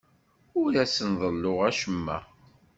Ur asen-ḍelluɣ acemma.